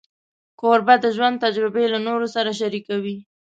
کوربه د ژوند تجربې له نورو سره شریکوي.